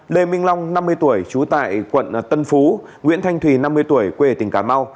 lê minh long năm mươi tuổi trú tại quận tân phú nguyễn thanh thùy năm mươi tuổi quê tỉnh cà mau